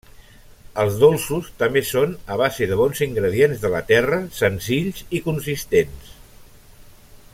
Els dolços també són a base de bons ingredients de la terra, senzills i consistents.